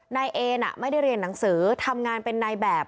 นายเอน่ะไม่ได้เรียนหนังสือทำงานเป็นนายแบบ